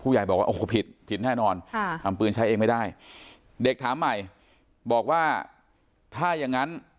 ใหญ่บอกว่าโอ้โหผิดผิดแน่นอนทำปืนใช้เองไม่ได้เด็กถามใหม่บอกว่าถ้าอย่างงั้น